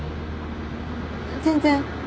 全然。